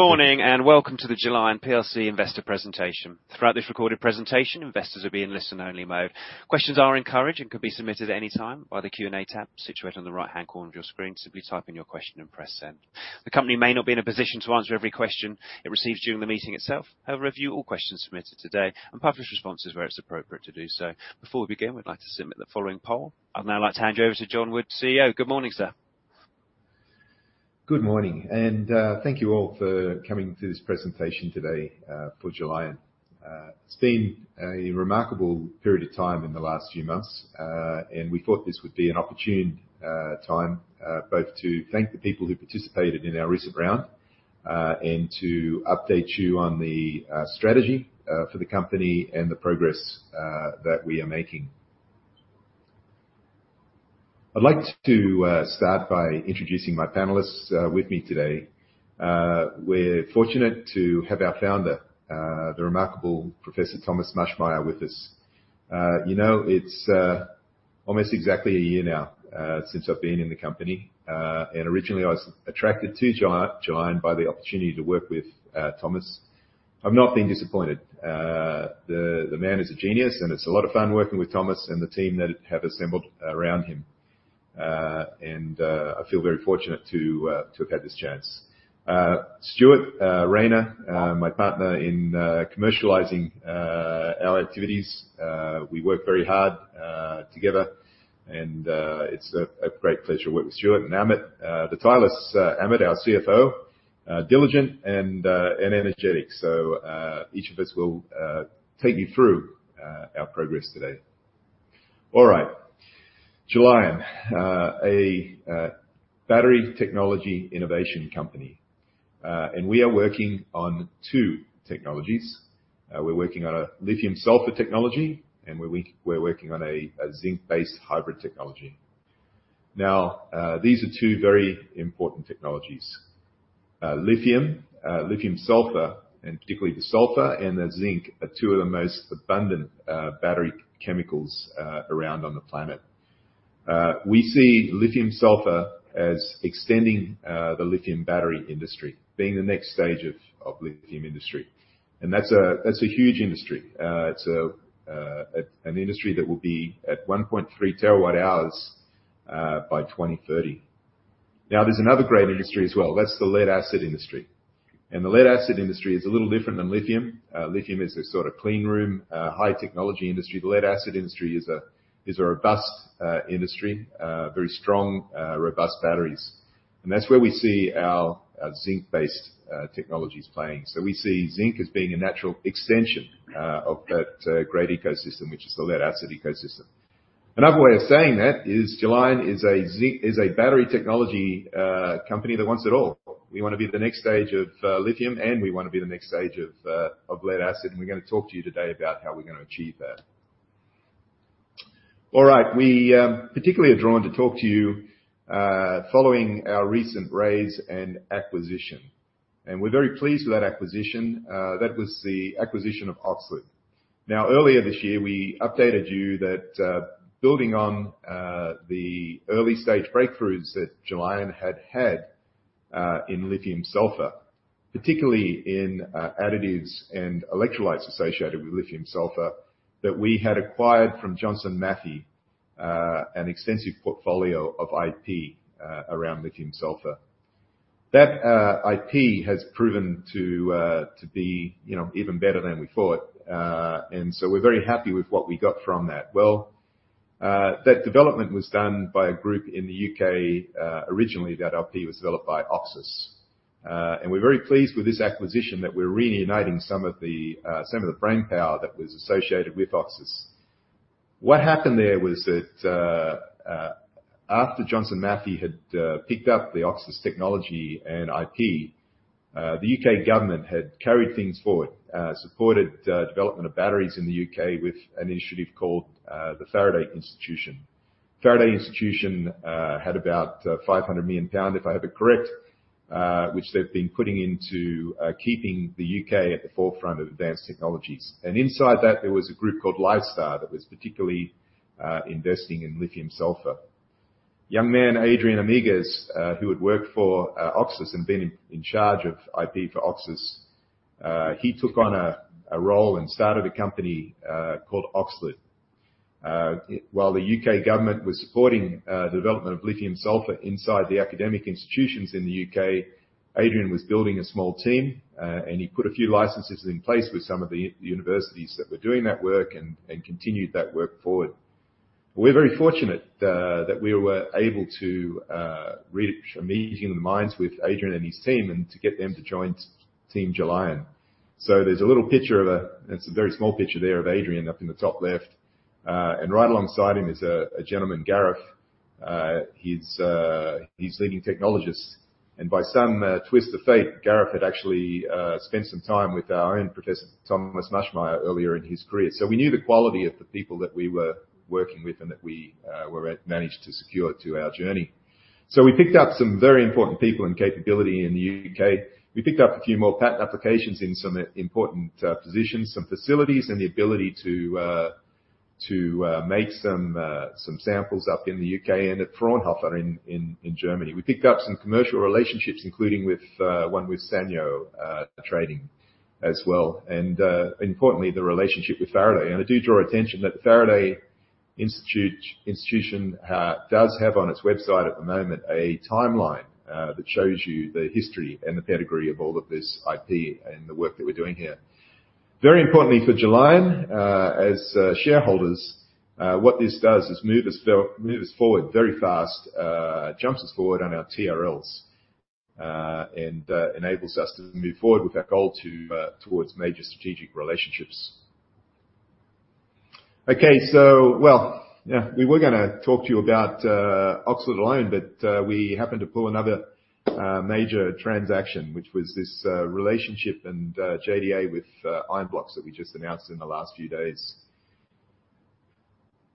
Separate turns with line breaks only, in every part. Good morning, and welcome to the Gelion PLC Investor Presentation. Throughout this recorded presentation, investors will be in listen-only mode. Questions are encouraged and can be submitted at any time by the Q&A tab situated on the right-hand corner of your screen. Simply type in your question and press send. The company may not be in a position to answer every question it receives during the meeting itself, however, review all questions submitted today and publish responses where it's appropriate to do so. Before we begin, we'd like to submit the following poll. I'd now like to hand you over to John Wood, CEO. Good morning, sir.
Good morning, and thank you all for coming to this presentation today, for Gelion. It's been a remarkable period of time in the last few months, and we thought this would be an opportune time, both to thank the people who participated in our recent round, and to update you on the strategy, for the company and the progress that we are making. I'd like to start by introducing my panelists with me today. We're fortunate to have our founder, the remarkable Professor Thomas Maschmeyer, with us. You know, it's almost exactly a year now, since I've been in the company, and originally, I was attracted to Gelion by the opportunity to work with Thomas. I've not been disappointed. The man is a genius, and it's a lot of fun working with Thomas and the team that have assembled around him. I feel very fortunate to have had this chance. Stuart Rayner, my partner in commercializing our activities. We work very hard together, and it's a great pleasure to work with Stuart. Amit, the tireless Amit, our CFO, diligent and energetic. Each of us will take you through our progress today. All right. Gelion, a battery technology innovation company, and we are working on two technologies. We're working on a lithium-sulfur technology, and we're working on a zinc-based hybrid technology. Now, these are two very important technologies. Lithium sulfur, and particularly the sulfur and the zinc, are two of the most abundant battery chemicals around on the planet. We see lithium sulfur as extending the lithium battery industry, being the next stage of lithium industry. And that's a huge industry. It's an industry that will be at 1.3 TWh by 2030. Now, there's another great industry as well. That's the lead-acid industry, and the lead-acid industry is a little different than lithium. Lithium is a sort of clean room high technology industry. The lead-acid industry is a robust industry, very strong robust batteries, and that's where we see our zinc-based technologies playing. So we see zinc as being a natural extension of that great ecosystem, which is the lead-acid ecosystem. Another way of saying that is Gelion is a zinc battery technology company that wants it all. We wanna be the next stage of lithium, and we wanna be the next stage of lead-acid, and we're gonna talk to you today about how we're gonna achieve that. All right. We particularly are drawn to talk to you following our recent raise and acquisition, and we're very pleased with that acquisition. That was the acquisition of OXLiD. Now, earlier this year, we updated you that, building on, the early-stage breakthroughs that Gelion had had, in lithium sulfur, particularly in, additives and electrolytes associated with lithium sulfur, that we had acquired from Johnson Matthey, an extensive portfolio of IP, around lithium sulfur. That IP has proven to be, you know, even better than we thought. And so we're very happy with what we got from that. Well, that development was done by a group in the U.K.. Originally, that IP was developed by OXIS. And we're very pleased with this acquisition that we're reuniting some of the brainpower that was associated with OXIS. What happened there was that, after Johnson Matthey had picked up the OXIS technology and IP, the U.K. government had carried things forward, supported development of batteries in the U.K. with an initiative called the Faraday Institution. Faraday Institution had about 500 million pound, if I have it correct, which they've been putting into keeping the U.K. at the forefront of advanced technologies. Inside that, there was a group called LiSTAR that was particularly investing in lithium sulfur. Young man, Adrien Amigues, who had worked for OXIS and been in charge of IP for OXIS, he took on a role and started a company called OXLiD. While the U.K. government was supporting the development of lithium-sulfur inside the academic institutions in the U.K., Adrien was building a small team, and he put a few licenses in place with some of the universities that were doing that work and continued that work forward. We're very fortunate that we were able to really amassing the minds with Adrien and his team and to get them to join Team Gelion. So there's a little picture of Adrien up in the top left, and right alongside him is a gentleman, Gareth. He's leading technologists, and by some twist of fate, Gareth had actually spent some time with our own Professor Thomas Maschmeyer, earlier in his career. So we knew the quality of the people that we were working with and that we managed to secure to our journey. So we picked up some very important people and capability in the U.K.. We picked up a few more patent applications in some important positions, some facilities, and the ability to make some samples up in the U.K. and at Fraunhofer in Germany. We picked up some commercial relationships, including with one with Sanyo Trading as well. And importantly, the relationship with Faraday. And I do draw attention that the Faraday Institution does have on its website at the moment, a timeline that shows you the history and the pedigree of all of this IP and the work that we're doing here. Very importantly for Gelion, as shareholders, what this does is move us forward, move us forward very fast, jumps us forward on our TRLs, and enables us to move forward with our goal to towards major strategic relationships. Okay, so well, yeah, we were gonna talk to you about OXLiD alone, but we happened to pull another major transaction, which was this relationship and JDA with Ionblox that we just announced in the last few days.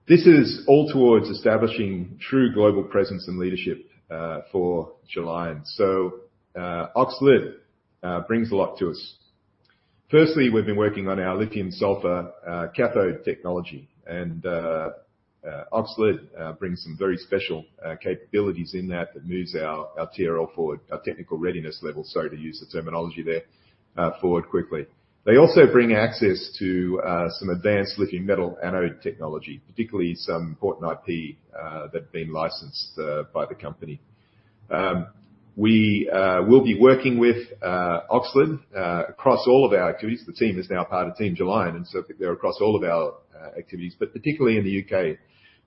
This is all towards establishing true global presence and leadership for Gelion. So OXLiD brings a lot to us. Firstly, we've been working on our lithium-sulfur cathode technology, and OXLiD brings some very special capabilities in that that moves our TRL forward, our technical readiness level, sorry to use the terminology there, forward quickly. They also bring access to some advanced lithium metal anode technology, particularly some important IP that have been licensed by the company. We will be working with OXLiD across all of our activities. The team is now part of team Gelion, and so they're across all of our activities. But particularly in the U.K.,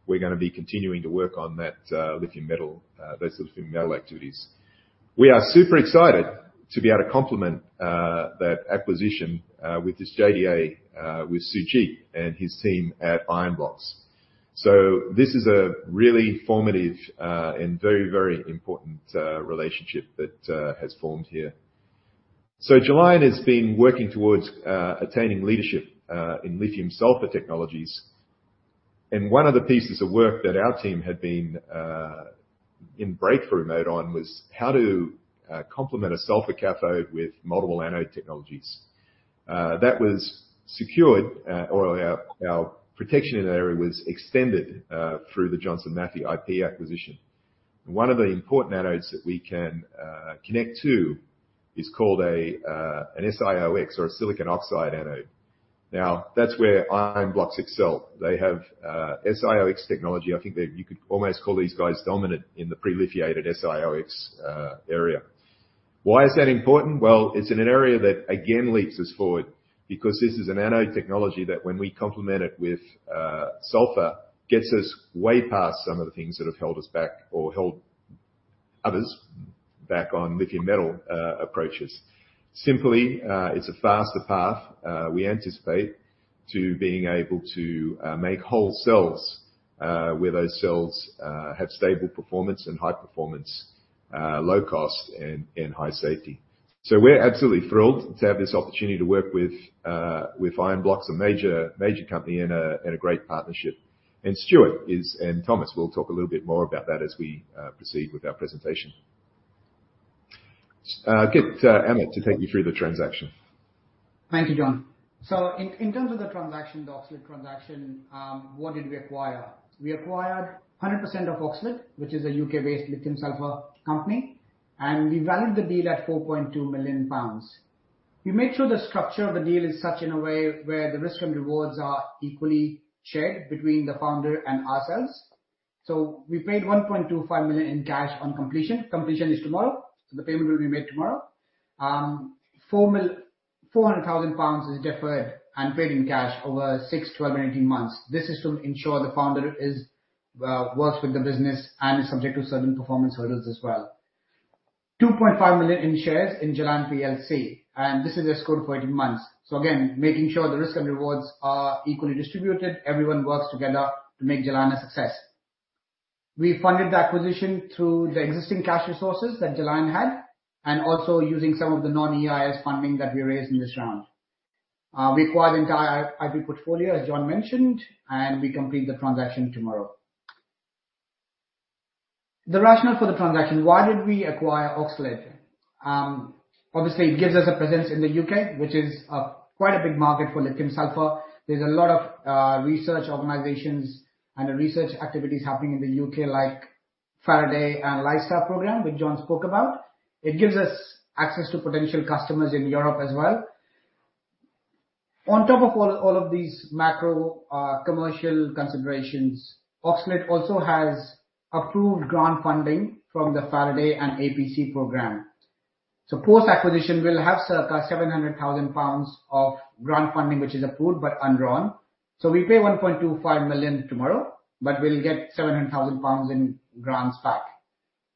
we're gonna be continuing to work on that lithium metal those lithium metal activities. We are super excited to be able to complement that acquisition with this JDA with Suji and his team at Ionblox. This is a really formative, and very, very important, relationship that has formed here. Gelion has been working towards attaining leadership in lithium-sulfur technologies. One of the pieces of work that our team had been in breakthrough mode on was how to complement a sulfur cathode with multiple anode technologies. That was secured, or our, our protection in that area was extended through the Johnson Matthey IP acquisition. One of the important anodes that we can connect to is called a SiOx or a silicon oxide anode. Now, that's where Ionblox excel. They have SiOx technology. I think they, you could almost call these guys dominant in the pre-lithiated SiOx area. Why is that important? Well, it's in an area that again leads us forward because this is an anode technology that when we complement it with sulfur, gets us way past some of the things that have held us back or held others back on lithium metal approaches. Simply, it's a faster path we anticipate to being able to make whole cells where those cells have stable performance and high performance low cost and high safety. So we're absolutely thrilled to have this opportunity to work with with Ionblox, a major, major company and a and a great partnership. And Stuart is, and Thomas will talk a little bit more about that as we proceed with our presentation. Get Amit to take you through the transaction.
Thank you, John. So in terms of the transaction, the OXLiD transaction, what did we acquire? We acquired 100% of OXLiD, which is a U.K.-based lithium-sulfur company, and we valued the deal at 4.2 million pounds. We made sure the structure of the deal is such in a way where the risks and rewards are equally shared between the founder and ourselves. So we paid 1.25 million in cash on completion. Completion is tomorrow, so the payment will be made tomorrow. 400,000 pounds is deferred and paid in cash over 6, 12, and 18 months. This is to ensure the founder works with the business and is subject to certain performance hurdles as well. 2.5 million in shares in Gelion plc, and this is escrowed for 18 months. So again, making sure the risks and rewards are equally distributed, everyone works together to make Gelion a success. We funded the acquisition through the existing cash resources that Gelion had, and also using some of the non-EIS funding that we raised in this round. We acquired the entire IP portfolio, as John mentioned, and we complete the transaction tomorrow. The rationale for the transaction: Why did we acquire OXLiD? Obviously, it gives us a presence in the U.K., which is quite a big market for lithium sulfur. There's a lot of research organizations and research activities happening in the U.K., like Faraday and LiSTAR program, which John spoke about. It gives us access to potential customers in Europe as well. On top of all these macro commercial considerations, OXLiD also has approved grant funding from the Faraday and APC program. Post-acquisition, we'll have circa 700,000 pounds of grant funding, which is approved but undrawn. We pay 1.25 million tomorrow, but we'll get 700,000 pounds in grants back.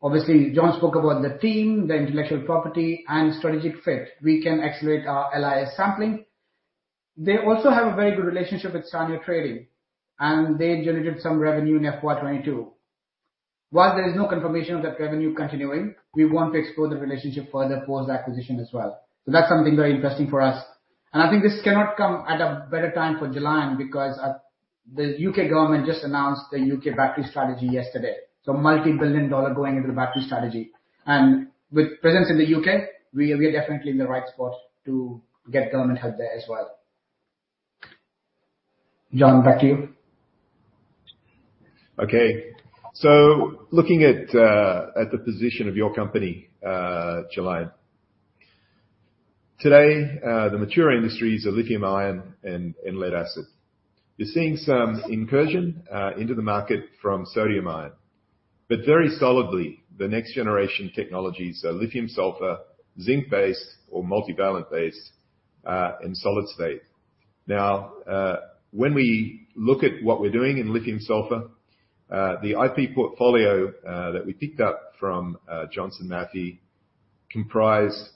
Obviously, John spoke about the team, the intellectual property, and strategic fit. We can accelerate our Li-S sampling. They also have a very good relationship with Sanyo Trading, and they generated some revenue in Q4 2022. While there is no confirmation of that revenue continuing, we want to explore the relationship further post-acquisition as well. That's something very interesting for us. And I think this cannot come at a better time for Gelion because the U.K. government just announced the U.K. Battery Strategy yesterday, so multi-billion going into the battery strategy. With presence in the U.K., we are definitely in the right spot to get government help there as well. John, back to you.
Okay. So looking at the position of your company, Gelion. Today, the mature industries are lithium-ion and lead-acid. You're seeing some incursion into the market from sodium-ion, but very solidly, the next generation technologies are lithium-sulfur, zinc-based, or multivalent-based, and solid-state. Now, when we look at what we're doing in lithium-sulfur, the IP portfolio that we picked up from Johnson Matthey comprise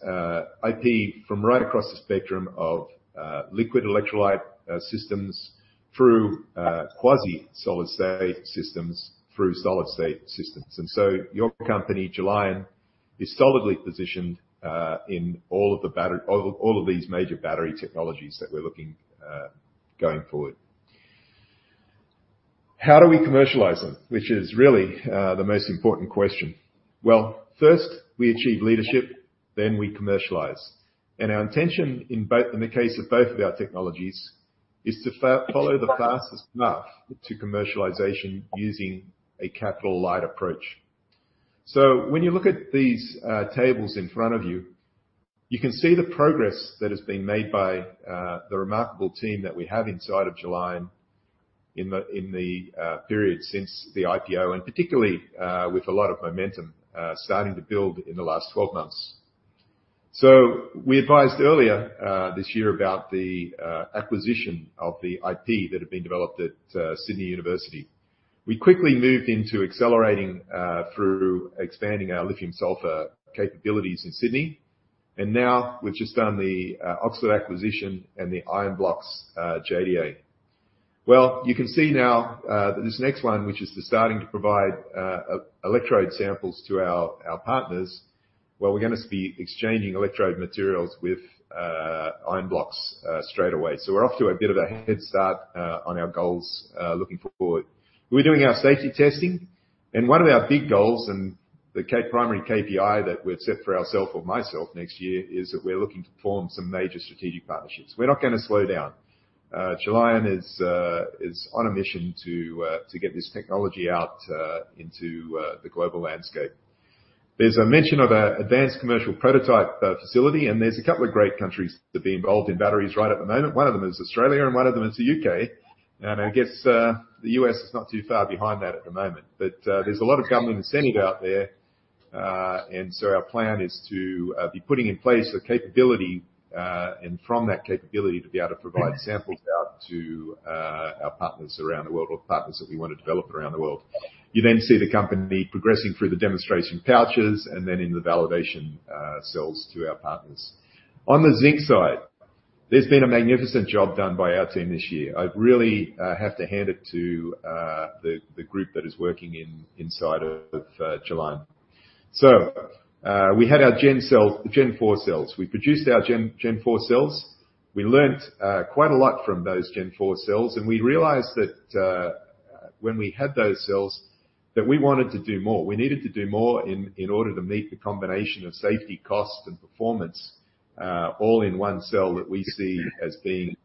IP from right across the spectrum of liquid electrolyte systems through quasi-solid-state systems, through solid-state systems. And so your company, Gelion, is solidly positioned in all of the battery—all of these major battery technologies that we're looking going forward. How do we commercialize them? Which is really the most important question. Well, first we achieve leadership, then we commercialize. And our intention in both in the case of both of our technologies, is to follow the fastest path to commercialization using a capital-light approach. So when you look at these tables in front of you, you can see the progress that has been made by the remarkable team that we have inside of Gelion in the period since the IPO, and particularly with a lot of momentum starting to build in the last 12 months. So we advised earlier this year about the acquisition of the IP that had been developed at Sydney University. We quickly moved into accelerating through expanding our lithium-sulfur capabilities in Sydney, and now we've just done the Oxford acquisition and the Ionblox JDA. Well, you can see now that this next one, which is starting to provide electrode samples to our partners, where we're gonna be exchanging electrode materials with Ionblox straight away. So we're off to a bit of a head start on our goals looking forward. We're doing our safety testing, and one of our big goals and the primary KPI that we've set for ourselves next year is that we're looking to form some major strategic partnerships. We're not gonna slow down. Gelion is on a mission to get this technology out into the global landscape. There's a mention of an advanced commercial prototype facility, and there's a couple of great countries that have been involved in batteries right at the moment. One of them is Australia, and one of them is the U.K. I guess, the U.S. is not too far behind that at the moment. But, there's a lot of government incentive out there, and so our plan is to be putting in place the capability, and from that capability, to be able to provide samples out to our partners around the world or partners that we want to develop around the world. You then see the company progressing through the demonstration pouches and then in the validation cells to our partners. On the zinc side, there's been a magnificent job done by our team this year. I really have to hand it to the group that is working inside of Gelion. So, we had our Gen cells, the Gen 4 cells. We produced our Gen 4 cells. We learned quite a lot from those Gen 4 cells, and we realized that when we had those cells, that we wanted to do more. We needed to do more in order to meet the combination of safety, cost, and performance all in one cell that we see as being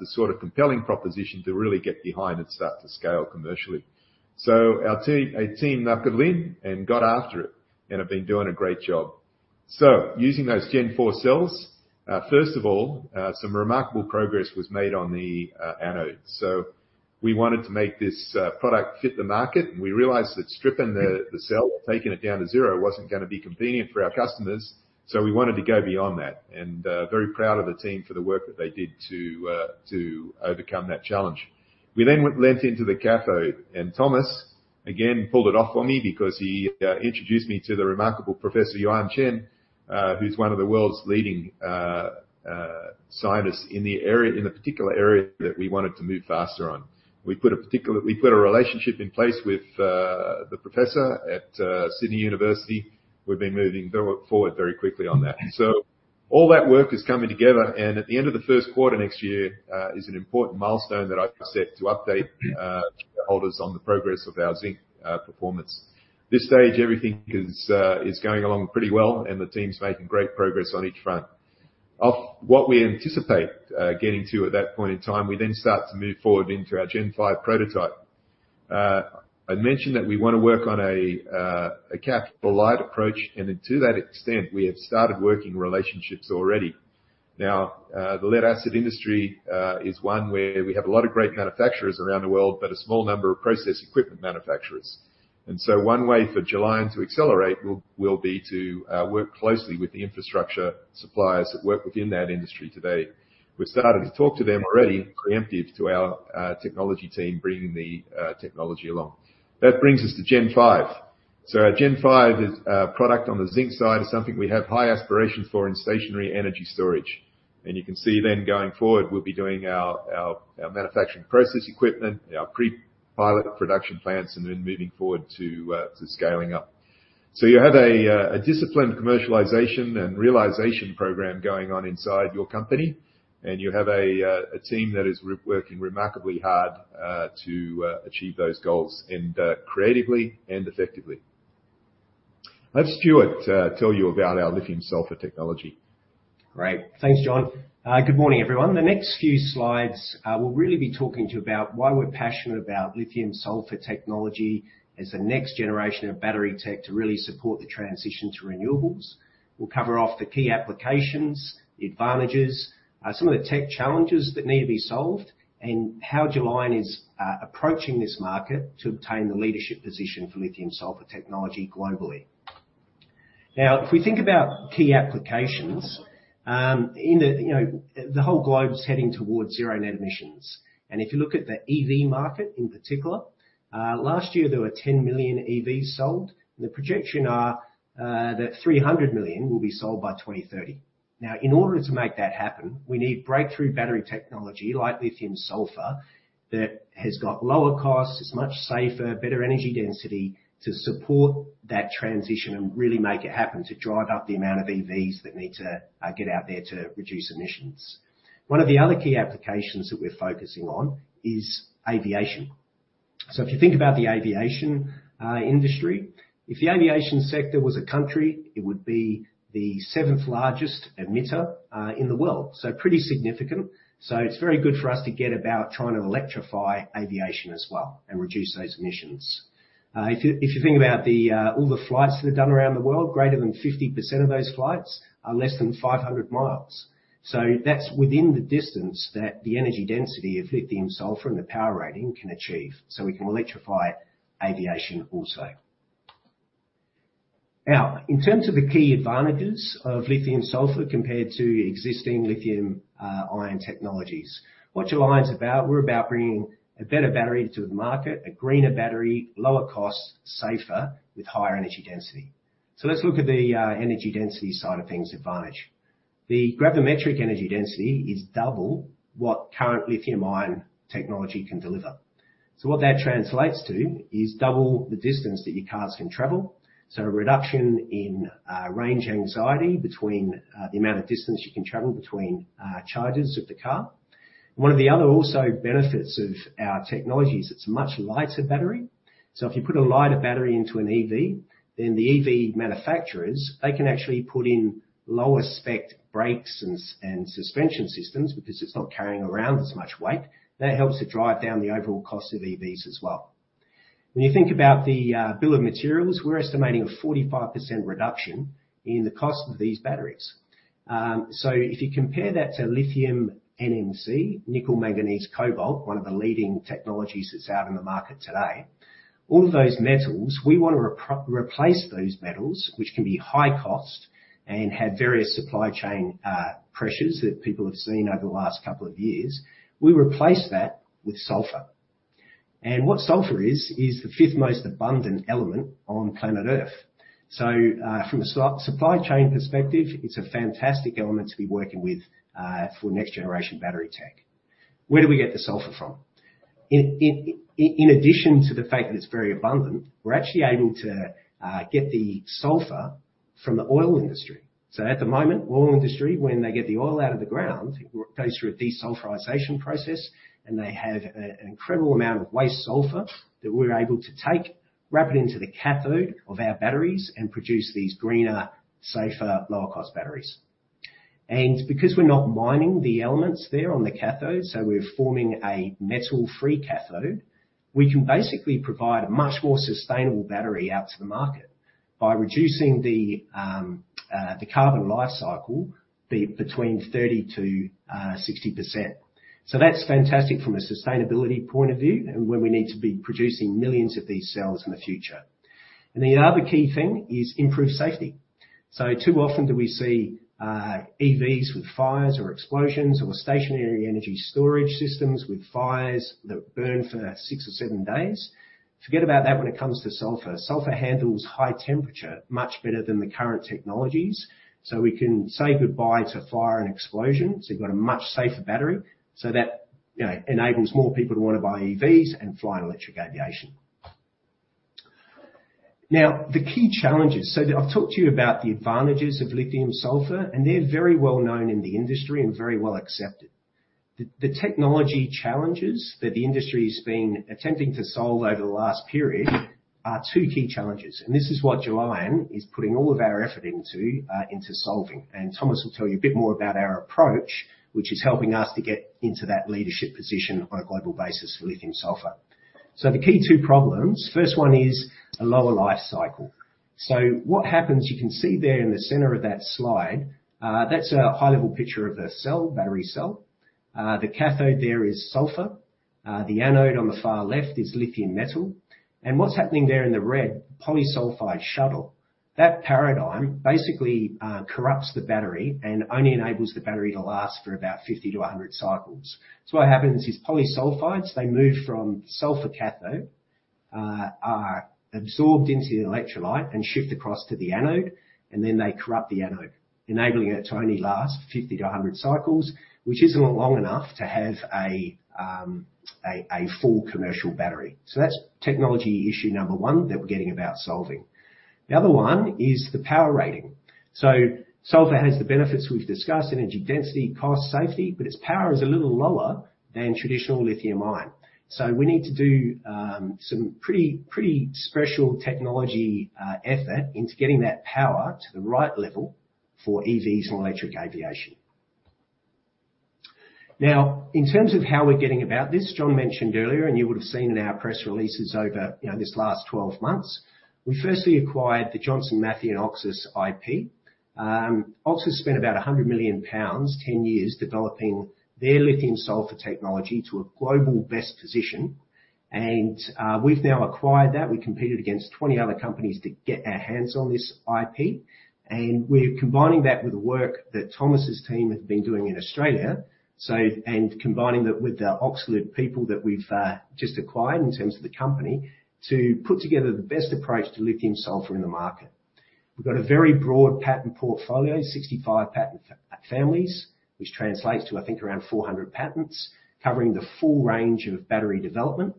the sort of compelling proposition to really get behind and start to scale commercially. So our team knuckled in and got after it, and have been doing a great job. So using those Gen 4 cells, first of all, some remarkable progress was made on the anode. So we wanted to make this product fit the market, and we realized that stripping the cell, taking it down to zero, wasn't gonna be convenient for our customers, so we wanted to go beyond that. And very proud of the team for the work that they did to overcome that challenge. We then delved into the cathode, and Thomas, again, pulled it off for me because he introduced me to the remarkable Professor Yuan Chen, who's one of the world's leading scientists in the particular area that we wanted to move faster on. We put a relationship in place with the professor at University of Sydney. We've been moving forward very quickly on that. So all that work is coming together, and at the end of the first quarter next year is an important milestone that I've set to update shareholders on the progress of our zinc performance. This stage, everything is going along pretty well, and the team's making great progress on each front. Of what we anticipate getting to at that point in time, we then start to move forward into our Gen 5 prototype. I mentioned that we want to work on a capital-light approach, and to that extent, we have started working relationships already. Now, the lead-acid industry is one where we have a lot of great manufacturers around the world, but a small number of process equipment manufacturers. One way for Gelion to accelerate will be to work closely with the infrastructure suppliers that work within that industry today. We've started to talk to them already, preemptive to our technology team bringing the technology along. That brings us to Gen 5. So our Gen 5 is a product on the zinc side, is something we have high aspirations for in stationary energy storage. And you can see then going forward, we'll be doing our manufacturing process equipment, our pre-pilot production plans, and then moving forward to scaling up. So you have a disciplined commercialization and realization program going on inside your company, and you have a team that is working remarkably hard to achieve those goals, and creatively and effectively. Let Stuart tell you about our lithium-sulfur technology.
Great. Thanks, John. Good morning, everyone. The next few slides, we'll really be talking to you about why we're passionate about lithium-sulfur technology as the next generation of battery tech to really support the transition to renewables. We'll cover off the key applications, the advantages, some of the tech challenges that need to be solved, and how Gelion is approaching this market to obtain the leadership position for lithium-sulfur technology globally. Now, if we think about key applications, in the, you know, the whole globe is heading towards zero net emissions. And if you look at the EV market in particular, last year, there were 10 million EVs sold, and the projection are that 300 million will be sold by 2030. Now, in order to make that happen, we need breakthrough battery technology, like lithium-sulfur, that has got lower costs, it's much safer, better energy density, to support that transition and really make it happen, to drive up the amount of EVs that need to get out there to reduce emissions. One of the other key applications that we're focusing on is aviation. So if you think about the aviation industry, if the aviation sector was a country, it would be the seventh-largest emitter in the world, so pretty significant. So it's very good for us to get about trying to electrify aviation as well and reduce those emissions. If you think about all the flights that are done around the world, greater than 50% of those flights are less than 500 miles. So that's within the distance that the energy density of lithium sulfur and the power rating can achieve, so we can electrify aviation also. Now, in terms of the key advantages of lithium sulfur compared to existing lithium ion technologies, what Gelion is about, we're about bringing a better battery to the market, a greener battery, lower cost, safer, with higher energy density. So let's look at the energy density side of things advantage. The gravimetric energy density is double what current lithium-ion technology can deliver. So what that translates to is double the distance that your cars can travel, so a reduction in range anxiety between the amount of distance you can travel between charges of the car. One of the other also benefits of our technology is it's a much lighter battery. So if you put a lighter battery into an EV, then the EV manufacturers, they can actually put in lower spec brakes and suspension systems because it's not carrying around as much weight. That helps to drive down the overall cost of EVs as well. When you think about the bill of materials, we're estimating a 45% reduction in the cost of these batteries. So if you compare that to lithium NMC, nickel manganese cobalt, one of the leading technologies that's out in the market today, all of those metals, we want to replace those metals, which can be high cost and have various supply chain pressures that people have seen over the last couple of years. We replace that with sulfur. And what sulfur is, is the fifth most abundant element on planet Earth. So, from a supply chain perspective, it's a fantastic element to be working with, for next generation battery tech. Where do we get the sulfur from? In addition to the fact that it's very abundant, we're actually able to get the sulfur from the oil industry. So at the moment, oil industry, when they get the oil out of the ground, it goes through a desulfurization process, and they have an incredible amount of waste sulfur that we're able to take, wrap it into the cathode of our batteries, and produce these greener, safer, lower-cost batteries. And because we're not mining the elements there on the cathode, so we're forming a metal-free cathode, we can basically provide a much more sustainable battery out to the market by reducing the carbon life cycle by between 30%-60%. So that's fantastic from a sustainability point of view and when we need to be producing millions of these cells in the future. And the other key thing is improved safety. So too often do we see EVs with fires or explosions, or stationary energy storage systems with fires that burn for six or seven days. Forget about that when it comes to sulfur. Sulfur handles high temperature much better than the current technologies, so we can say goodbye to fire and explosion. So you've got a much safer battery, so that, you know, enables more people to want to buy EVs and fly in electric aviation. Now, the key challenges. So I've talked to you about the advantages of lithium sulfur, and they're very well-known in the industry and very well accepted. The technology challenges that the industry's been attempting to solve over the last period are two key challenges, and this is what Gelion is putting all of our effort into into solving. And Thomas will tell you a bit more about our approach, which is helping us to get into that leadership position on a global basis for lithium-sulfur. So the key two problems, first one is a lower life cycle. So what happens, you can see there in the center of that slide, that's a high-level picture of the cell, battery cell. The cathode there is sulfur, the anode on the far left is lithium metal. And what's happening there in the red polysulfide shuttle, that paradigm basically, corrupts the battery and only enables the battery to last for about 50-100 cycles. So what happens is polysulfides, they move from sulfur cathode, are absorbed into the electrolyte and shift across to the anode, and then they corrupt the anode, enabling it to only last 50-100 cycles, which isn't long enough to have a full commercial battery. So that's technology issue number one that we're getting about solving. The other one is the power rating. So sulfur has the benefits we've discussed, energy density, cost, safety, but its power is a little lower than traditional lithium-ion. So we need to do some pretty special technology effort into getting that power to the right level for EVs and electric aviation. Now, in terms of how we're getting about this, John mentioned earlier, and you would have seen in our press releases over, you know, this last 12 months, we firstly acquired the Johnson Matthey and OXIS IP. OXIS spent about 100 million pounds, 10 years developing their lithium-sulfur technology to a global best position, and we've now acquired that. We competed against 20 other companies to get our hands on this IP, and we're combining that with the work that Thomas's team have been doing in Australia, so, and combining that with the OXLiD people that we've just acquired in terms of the company, to put togeher the best approach to lithium-sulfur in the market. We've got a very broad patent portfolio, 65 patent families, which translates to, I think, around 400 patents, covering the full range of battery development.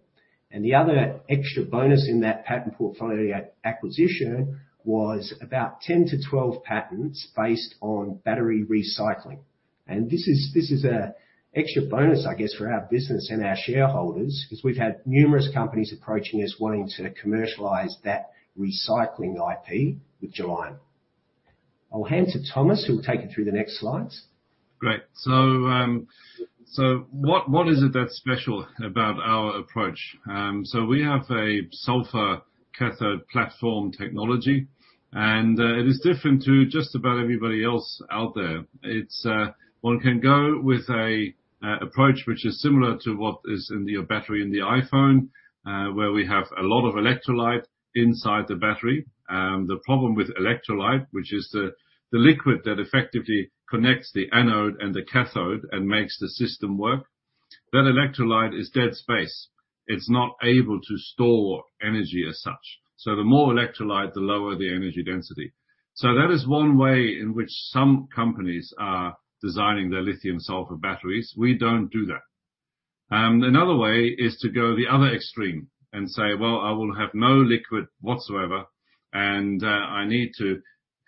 The other extra bonus in that patent portfolio acquisition was about 10-12 patents based on battery recycling. And this is, this is a extra bonus, I guess, for our business and our shareholders, 'cause we've had numerous companies approaching us, wanting to commercialize that recycling IP with Gelion. I'll hand to Thomas, who will take you through the next slides.
Great. So, so what is it that's special about our approach? So we have a sulfur cathode platform technology, and it is different to just about everybody else out there. It's one can go with a approach which is similar to what is in your battery in the iPhone, where we have a lot of electrolyte inside the battery. The problem with electrolyte, which is the liquid that effectively connects the anode and the cathode and makes the system work, that electrolyte is dead space. It's not able to store energy as such. So the more electrolyte, the lower the energy density. So that is one way in which some companies are designing their lithium sulfur batteries. We don't do that. Another way is to go the other extreme and say: Well, I will have no liquid whatsoever and I need to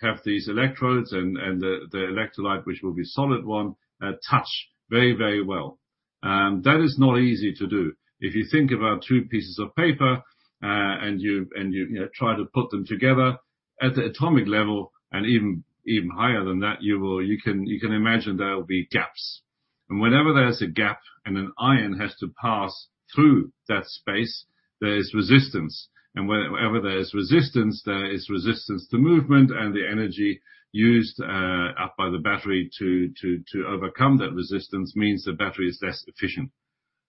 have these electrodes and the electrolyte, which will be solid one touch very, very well. And that is not easy to do. If you think about two pieces of paper and you know try to put them together at the atomic level and even higher than that, you can imagine there will be gaps. And whenever there's a gap, and an ion has to pass through that space, there is resistance. And wherever there is resistance, there is resistance to movement, and the energy used up by the battery to overcome that resistance means the battery is less efficient.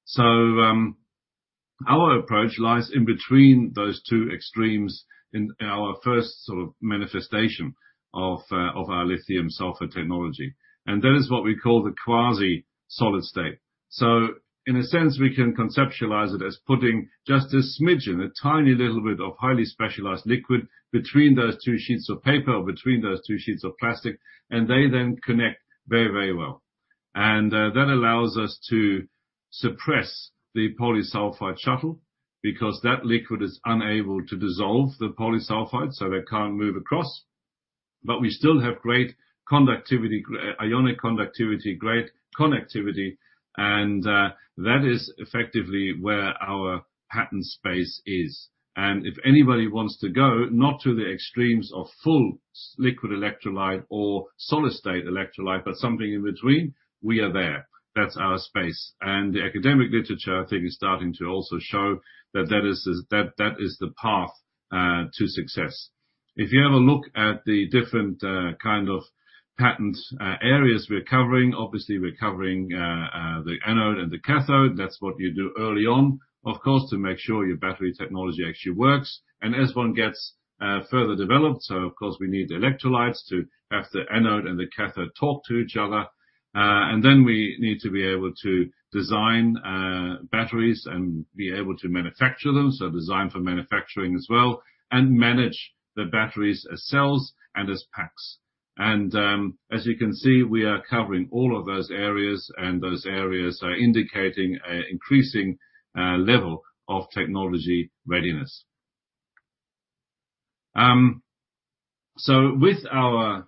So, our approach lies in between those two extremes in our first sort of manifestation of our lithium-sulfur technology, and that is what we call the quasi-solid state. So in a sense, we can conceptualize it as putting just a smidgen, a tiny little bit of highly specialized liquid between those two sheets of paper or between those two sheets of plastic, and they then connect very, very well. And that allows us to suppress the polysulfide shuttle, because that liquid is unable to dissolve the polysulfide, so they can't move across. But we still have great conductivity, ionic conductivity, great connectivity, and that is effectively where our patent space is. And if anybody wants to go, not to the extremes of full liquid electrolyte or solid state electrolyte, but something in between, we are there. That's our space. The academic literature, I think, is starting to also show that that is the path to success. If you have a look at the different kind of patent areas we're covering, obviously, we're covering the anode and the cathode. That's what you do early on, of course, to make sure your battery technology actually works. And as one gets further developed, so of course, we need electrolytes to have the anode and the cathode talk to each other, and then we need to be able to design batteries and be able to manufacture them, so design for manufacturing as well, and manage the batteries as cells and as packs. As you can see, we are covering all of those areas, and those areas are indicating an increasing level of technology readiness. So with our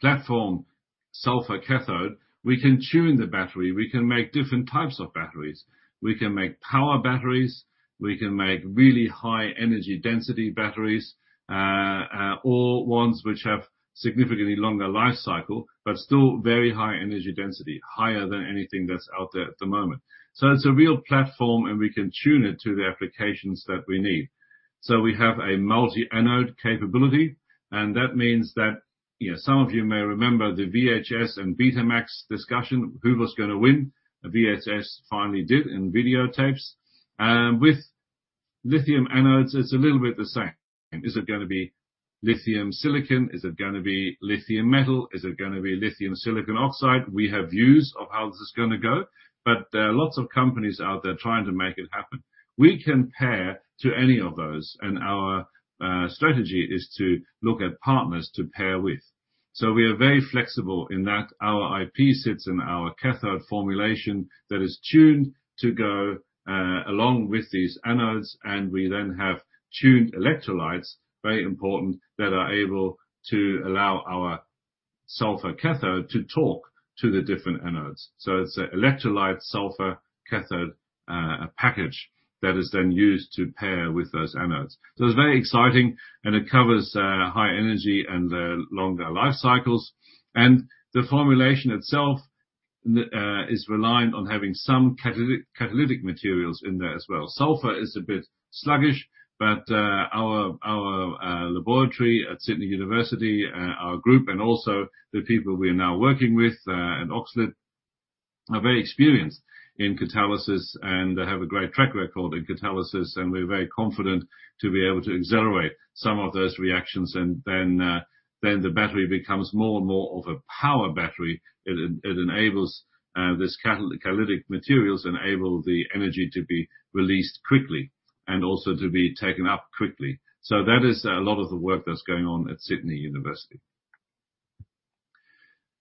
platform sulfur cathode, we can tune the battery. We can make different types of batteries. We can make power batteries, we can make really high energy density batteries, or ones which have significantly longer life cycle, but still very high energy density, higher than anything that's out there at the moment. So it's a real platform, and we can tune it to the applications that we need. So we have a multi-anode capability, and that means that... You know, some of you may remember the VHS and Betamax discussion. Who was gonna win? VHS finally did in video tapes. With lithium anodes, it's a little bit the same. Is it gonna be lithium silicon? Is it gonna be lithium metal? Is it gonna be lithium silicon oxide? We have views of how this is gonna go, but there are lots of companies out there trying to make it happen. We can pair to any of those, and our strategy is to look at partners to pair with. We are very flexible in that our IP sits in our cathode formulation that is tuned to go along with these anodes, and we then have tuned electrolytes, very important, that are able to allow our sulfur cathode to talk to the different anodes. It's a electrolyte sulfur cathode, a package that is then used to pair with those anodes. It's very exciting, and it covers high energy and longer life cycles. The formulation itself is reliant on having some catalytic materials in there as well. Sulfur is a bit sluggish, but our laboratory at Sydney University, our group and also the people we are now working with at Oxford are very experienced in catalysis, and they have a great track record in catalysis, and we're very confident to be able to accelerate some of those reactions. And then the battery becomes more and more of a power battery. It enables this catalytic materials enable the energy to be released quickly and also to be taken up quickly. So that is a lot of the work that's going on at Sydney University.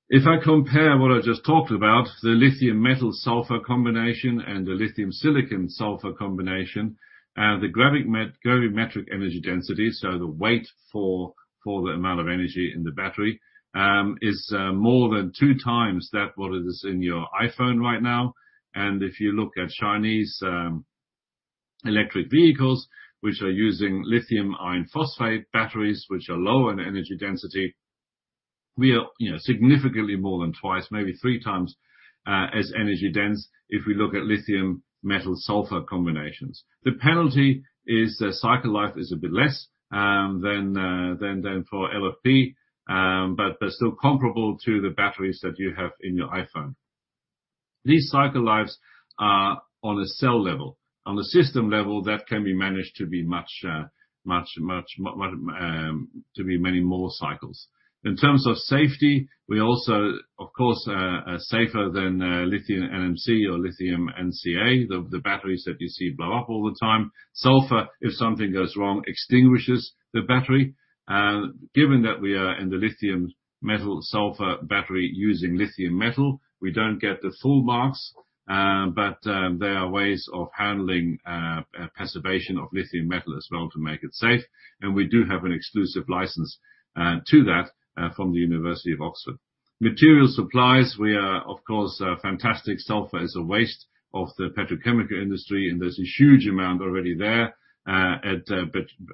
If I compare what I just talked about, the lithium metal sulfur combination and the lithium silicon sulfur combination, the gravimetric energy density, so the weight for, for the amount of energy in the battery, is more than 2 times that what is in your iPhone right now. And if you look at Chinese electric vehicles, which are using lithium iron phosphate batteries, which are low in energy density, we are, you know, significantly more than 2 times, maybe 3 times, as energy dense if we look at lithium metal sulfur combinations. The penalty is the cycle life is a bit less than, than for LFP, but they're still comparable to the batteries that you have in your iPhone. These cycle lives are on a cell level. On the system level, that can be managed to be much, much, much more cycles. In terms of safety, we also, of course, are safer than lithium NMC or lithium NCA, the batteries that you see blow up all the time. Sulfur, if something goes wrong, extinguishes the battery. Given that we are in the lithium metal sulfur battery using lithium metal, we don't get the full marks, but there are ways of handling preservation of lithium metal as well to make it safe, and we do have an exclusive license to that from the University of Oxford. Material supplies, we are, of course, fantastic. Sulfur is a waste of the petrochemical industry, and there's a huge amount already there at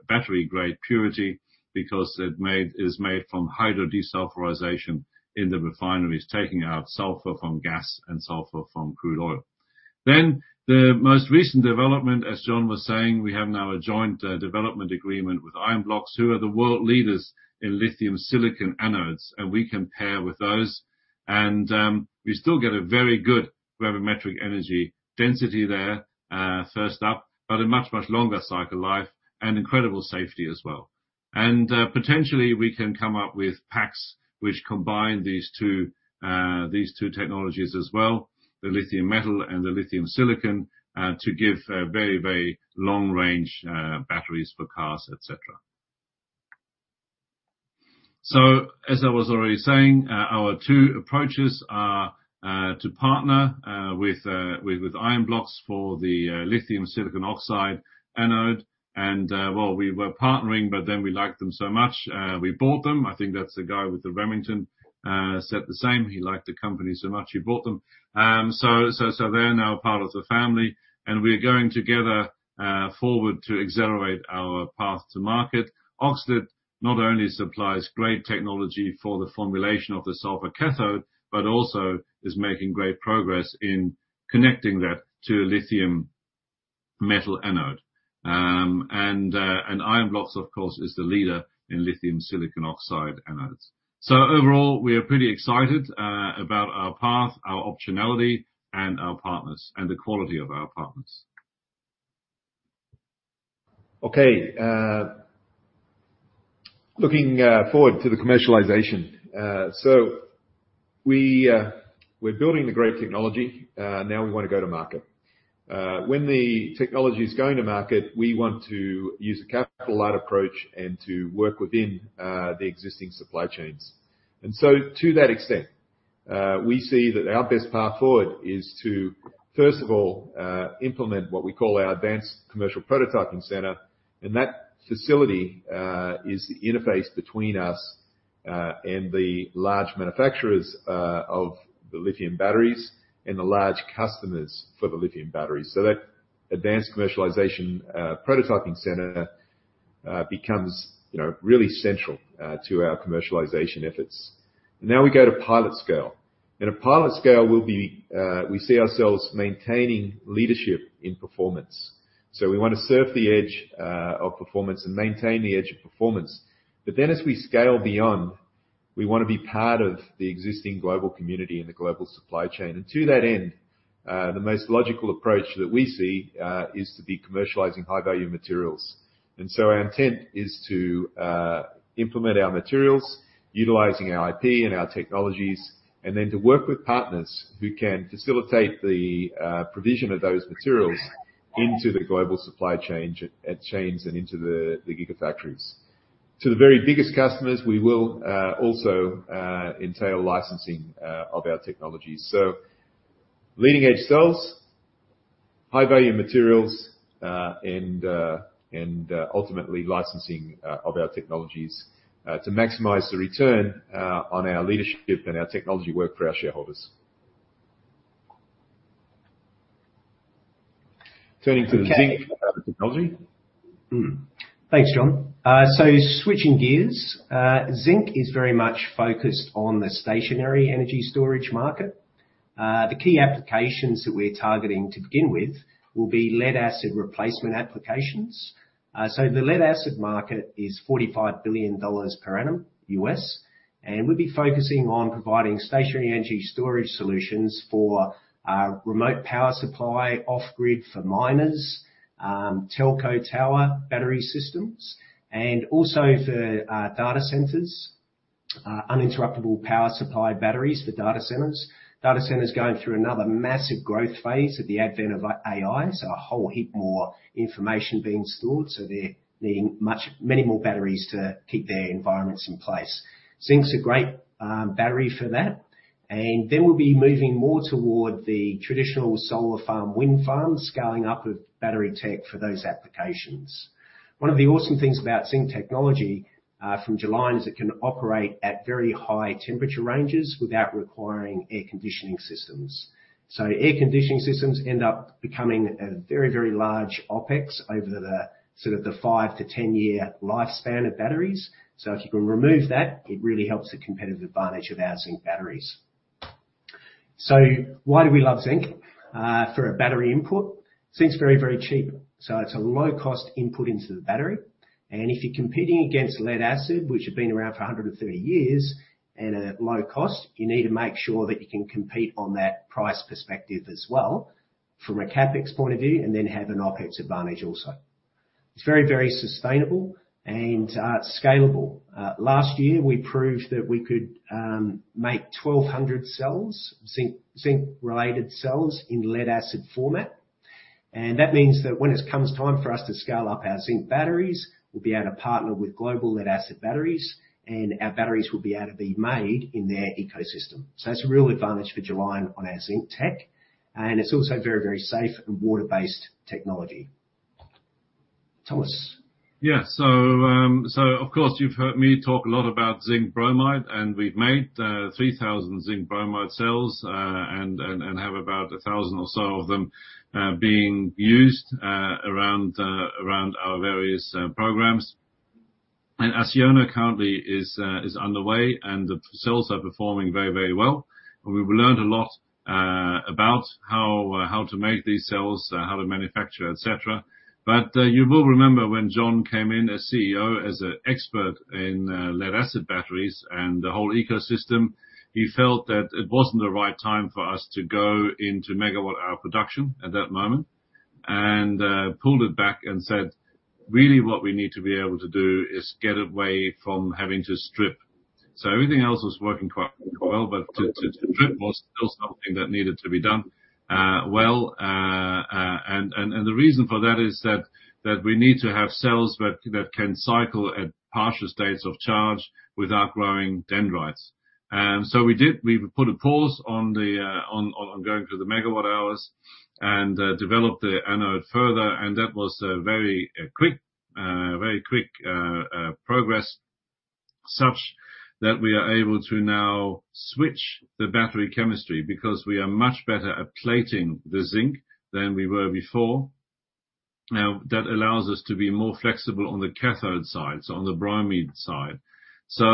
battery-grade purity because it is made from hydro desulfurization in the refineries, taking out sulfur from gas and sulfur from crude oil. Then the most recent development, as John was saying, we have now a joint development agreement with Ionblox, who are the world leaders in lithium silicon anodes, and we can pair with those. We still get a very good gravimetric energy density there, first up, but a much, much longer cycle life and incredible safety as well. Potentially we can come up with packs which combine these two technologies as well, the lithium metal and the lithium silicon, to give very, very long-range batteries for cars, et cetera. So as I was already saying, our two approaches are to partner with Ionblox for the lithium silicon oxide anode and... Well, we were partnering, but then we liked them so much, we bought them. I think that's the guy with the Remington said the same. He liked the company so much, he bought them. So they're now part of the family, and we're going together forward to accelerate our path to market. Oxford not only supplies great technology for the formulation of the sulfur cathode, but also is making great progress in connecting that to lithium metal anode. And Ionblox, of course, is the leader in lithium silicon oxide anodes. So overall, we are pretty excited about our path, our optionality, and our partners, and the quality of our partners.
Okay, looking forward to the commercialization. So we, we're building the great technology, now we wanna go to market. When the technology is going to market, we want to use a capital light approach and to work within the existing supply chains. And so to that extent, we see that our best path forward is to, first of all, implement what we call our Advanced Commercial Prototyping Center. And that facility is the interface between us and the large manufacturers of the lithium batteries and the large customers for the lithium batteries. So that Advanced Commercialization Prototyping Center becomes, you know, really central to our commercialization efforts. Now we go to pilot scale. In a pilot scale, we'll be, we see ourselves maintaining leadership in performance. So we want to surf the edge of performance and maintain the edge of performance. But then as we scale beyond, we wanna be part of the existing global community and the global supply chain. To that end, the most logical approach that we see is to be commercializing high-value materials. So our intent is to implement our materials, utilizing our IP and our technologies, and then to work with partners who can facilitate the provision of those materials into the global supply chain and into the gigafactories. To the very biggest customers, we will also entail licensing of our technologies. Leading edge cells, high-value materials, and ultimately licensing of our technologies to maximize the return on our leadership and our technology work for our shareholders. Turning to the zinc technology.
Thanks, John. So switching gears, zinc is very much focused on the stationary energy storage market. The key applications that we're targeting to begin with will be lead-acid replacement applications. So the lead-acid market is $45 billion per annum, U.S., and we'll be focusing on providing stationary energy storage solutions for remote power supply, off-grid for miners, telco tower battery systems, and also for data centers, uninterruptible power supply batteries for data centers. Data centers are going through another massive growth phase at the advent of AI, so a whole heap more information being stored, so they're needing many more batteries to keep their environments in place. Zinc's a great battery for that, and then we'll be moving more toward the traditional solar farm, wind farm, scaling up of battery tech for those applications. One of the awesome things about zinc technology from Gelion is it can operate at very high temperature ranges without requiring air conditioning systems. So air conditioning systems end up becoming a very, very large OpEx over the sort of the 5-10 year lifespan of batteries. So if you can remove that, it really helps the competitive advantage of our zinc batteries. So why do we love zinc? For a battery input, zinc's very, very cheap, so it's a low-cost input into the battery. And if you're competing against lead-acid, which has been around for 130 years at a low cost, you need to make sure that you can compete on that price perspective as well from a CapEx point of view, and then have an OpEx advantage also. It's very, very sustainable and scalable. Last year, we proved that we could make 1,200 cells, zinc, zinc-related cells in lead-acid format. And that means that when it comes time for us to scale up our zinc batteries, we'll be able to partner with global lead-acid batteries, and our batteries will be able to be made in their ecosystem. So that's a real advantage for Gelion on our zinc tech, and it's also very, very safe and water-based technology. Thomas?
Yeah. So, of course, you've heard me talk a lot about zinc bromide, and we've made 3,000 zinc bromide cells, and have about 1,000 or so of them being used around our various programs. And Acciona currently is underway, and the cells are performing very, very well. We've learned a lot about how to make these cells, how to manufacture, et cetera. But you will remember when John came in as CEO, as an expert in lead-acid batteries and the whole ecosystem, he felt that it wasn't the right time for us to go into megawatt-hour production at that moment, and pulled it back and said, "Really, what we need to be able to do is get away from having to strip." So everything else was working quite well, but to strip was still something that needed to be done well. And the reason for that is that we need to have cells that can cycle at partial states of charge without growing dendrites. And so we did. We've put a pause on the going to the megawatt hours and developed the anode further, and that was a very quick progress, such that we are able to now switch the battery chemistry because we are much better at plating the zinc than we were before. Now, that allows us to be more flexible on the cathode side, so on the bromine side. So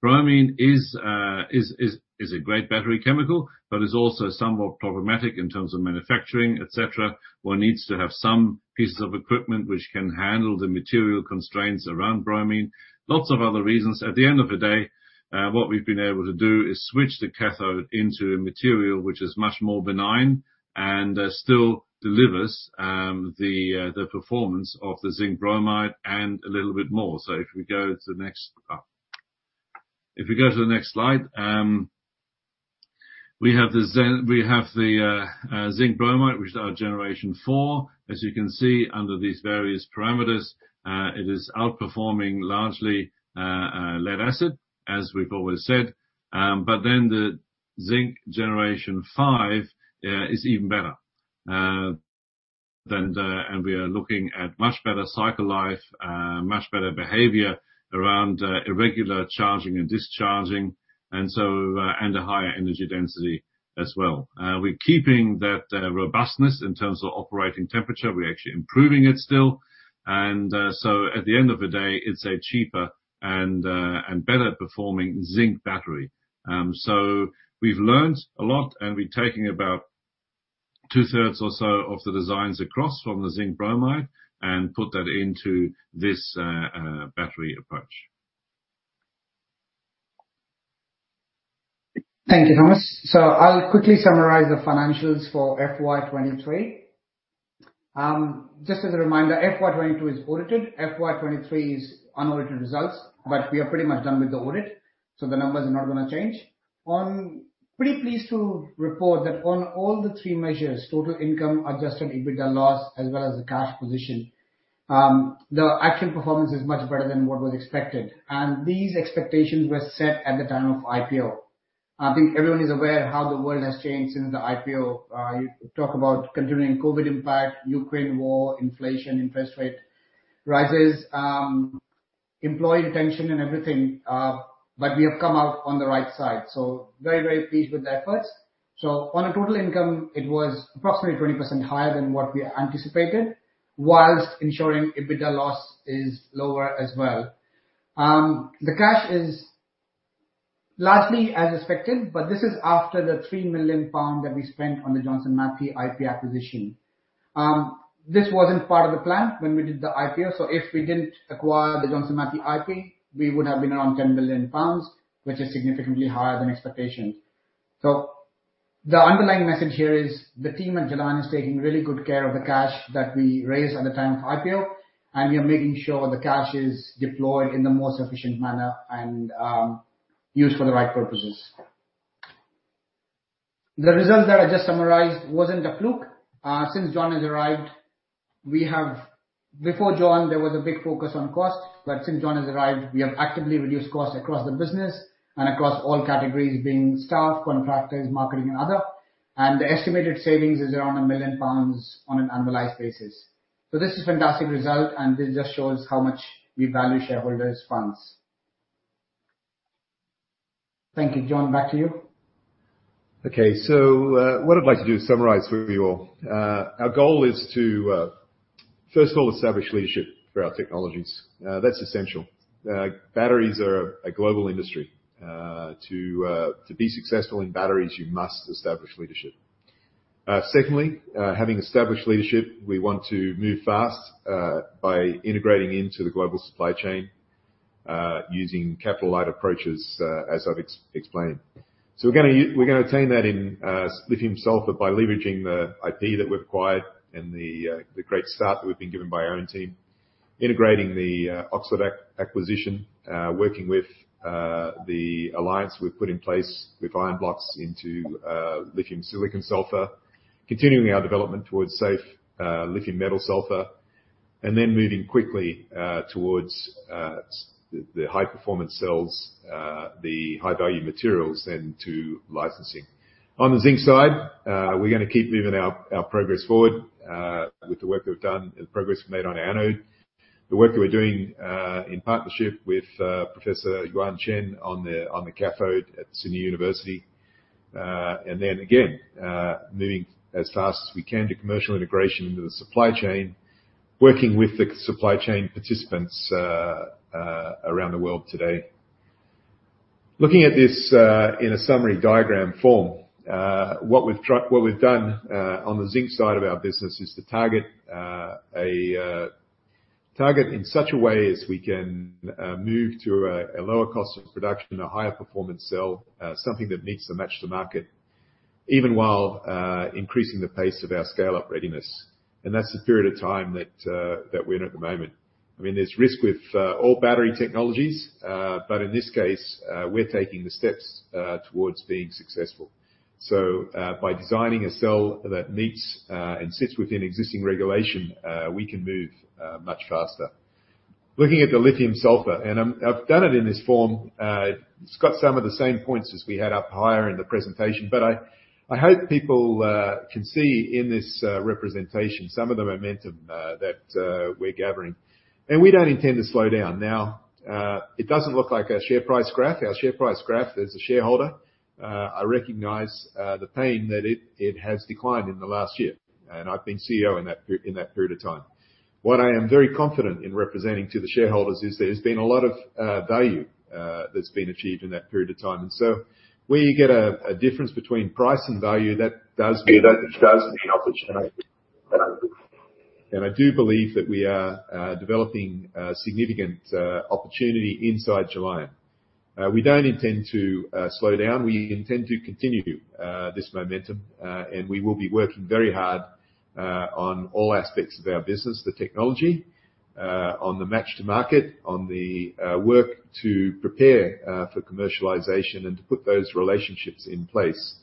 bromine is a great battery chemical, but is also somewhat problematic in terms of manufacturing, et cetera. One needs to have some pieces of equipment which can handle the material constraints around bromine. Lots of other reasons. At the end of the day, what we've been able to do is switch the cathode into a material which is much more benign and still delivers the performance of the zinc bromide and a little bit more. So if we go to the next slide, we have the zinc bromide, which is our generation four. As you can see, under these various parameters, it is outperforming largely lead-acid, as we've always said. But then the zinc generation five is even better than the, and we are looking at much better cycle life, much better behavior around irregular charging and discharging, and so and a higher energy density as well. We're keeping that robustness in terms of operating temperature. We're actually improving it still, and so at the end of the day, it's a cheaper and better performing zinc battery. So we've learned a lot, and we're taking about two-thirds or so of the designs across from the zinc bromide and put that into this battery approach.
Thank you, Thomas. So I'll quickly summarize the financials for FY 2023. Just as a reminder, FY 2022 is audited, FY 2023 is unaudited results, but we are pretty much done with the audit, so the numbers are not gonna change. Pretty pleased to report that on all the three measures, total income, adjusted EBITDA loss, as well as the cash position, the actual performance is much better than what was expected, and these expectations were set at the time of IPO. I think everyone is aware of how the world has changed since the IPO. You talk about continuing COVID impact, Ukraine war, inflation, interest rate rises, employee retention and everything. But we have come out on the right side. So very, very pleased with that first. So on a total income, it was approximately 20% higher than what we anticipated, while ensuring EBITDA loss is lower as well. The cash is largely as expected, but this is after the 3 million pound that we spent on the Johnson Matthey IP acquisition. This wasn't part of the plan when we did the IPO, so if we didn't acquire the Johnson Matthey IP, we would have been around 10 million pounds, which is significantly higher than expectations. So the underlying message here is the team at Gelion is taking really good care of the cash that we raised at the time of IPO, and we are making sure the cash is deployed in the most efficient manner and, used for the right purposes. The results that I just summarized wasn't a fluke. Since John has arrived, we have. Before John, there was a big focus on cost, but since John has arrived, we have actively reduced costs across the business and across all categories, being staff, contractors, marketing, and other. And the estimated savings is around 1 million pounds on an annualized basis. So this is fantastic result, and this just shows how much we value shareholders' funds. Thank you. John, back to you.
Okay. So, what I'd like to do is summarize for you all. Our goal is to, first of all, establish leadership for our technologies. That's essential. Batteries are a global industry. To be successful in batteries, you must establish leadership. Secondly, having established leadership, we want to move fast, by integrating into the global supply chain, using capital-light approaches, as I've explained. So we're gonna attain that in lithium-sulfur by leveraging the IP that we've acquired and the great start that we've been given by our own team, integrating the Oxford acquisition, working with the alliance we've put in place with Ionblox into lithium silicon sulfur. Continuing our development towards safe, lithium metal sulfur, and then moving quickly towards the high-performance cells, the high-value materials, then to licensing. On the zinc side, we're gonna keep moving our progress forward, with the work we've done and the progress we've made on anode. The work that we're doing in partnership with Professor Yuan Chen on the cathode at Tsinghua University. And then again, moving as fast as we can to commercial integration into the supply chain, working with the supply chain participants around the world today. Looking at this in a summary diagram form, what we've tried, what we've done, on the zinc side of our business is to target a target in such a way as we can move to a lower cost of production, a higher performance cell, something that meets the match to market, even while increasing the pace of our scale-up readiness. That's the period of time that we're in at the moment. I mean, there's risk with all battery technologies, but in this case, we're taking the steps towards being successful. So, by designing a cell that meets and sits within existing regulation, we can move much faster. Looking at the lithium-sulfur, and I'm, I've done it in this form. It's got some of the same points as we had up higher in the presentation, but I, I hope people can see in this representation some of the momentum that we're gathering, and we don't intend to slow down. Now, it doesn't look like our share price graph. Our share price graph, as a shareholder, I recognize the pain that it, it has declined in the last year, and I've been CEO in that period of time. What I am very confident in representing to the shareholders is there's been a lot of value that's been achieved in that period of time. And so when you get a difference between price and value, that does mean opportunity. And I do believe that we are developing a significant opportunity inside Gelion. We don't intend to slow down. We intend to continue this momentum, and we will be working very hard on all aspects of our business, the technology, on the match to market, on the work to prepare for commercialization and to put those relationships in place,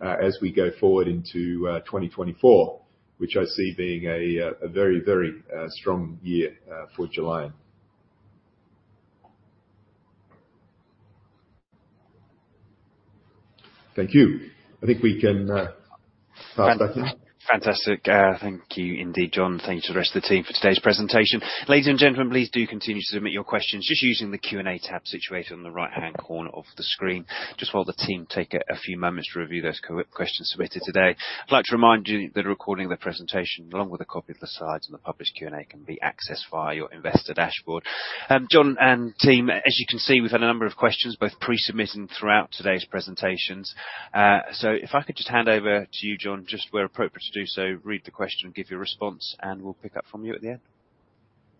as we go forward into 2024, which I see being a very, very strong year for Gelion. Thank you. I think we can start questions.
Fantastic. Thank you indeed, John. Thank you to the rest of the team for today's presentation. Ladies and gentlemen, please do continue to submit your questions, just using the Q&A tab situated on the right-hand corner of the screen. Just while the team take a few moments to review those questions submitted today, I'd like to remind you that a recording of the presentation, along with a copy of the slides and the published Q&A, can be accessed via your investor dashboard. John and team, as you can see, we've had a number of questions, both pre-submitted and throughout today's presentations. So if I could just hand over to you, John, just where appropriate to do so, read the question and give your response, and we'll pick up from you at the end.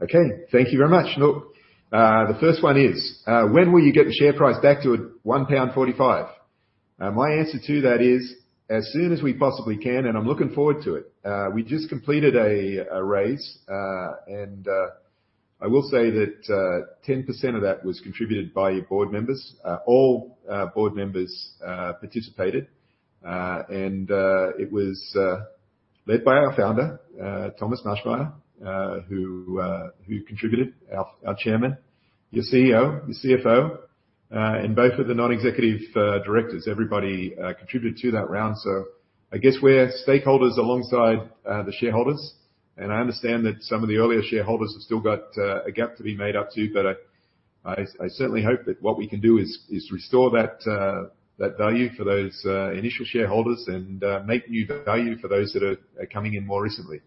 Okay. Thank you very much. Look, the first one is, "When will you get the share price back to a 1.45?" My answer to that is, as soon as we possibly can, and I'm looking forward to it. We just completed a raise, and I will say that 10% of that was contributed by your board members. All board members participated, and it was led by our founder, Thomas Maschmeyer, who contributed, our chairman, your CEO, your CFO, and both of the non-executive directors. Everybody contributed to that round. So I guess we're stakeholders alongside, the shareholders, and I understand that some of the earlier shareholders have still got, a gap to be made up to, but I certainly hope that what we can do is restore that, that value for those, initial shareholders and, make new value for those that are coming in more recently.